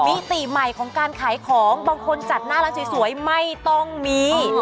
มิติใหม่ของการขายของบางคนจัดหน้าร้านสวยไม่ต้องมี